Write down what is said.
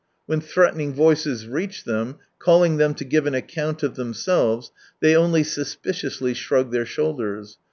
When threatening voices reach them, calling them to give an account of themselves, they only suspiciously shrug their shoulders.